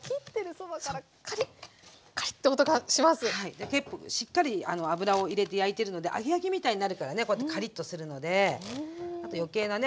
で結構しっかり油を入れて焼いてるので揚げ焼きみたいになるからねこうやってカリッとするのであと余計なね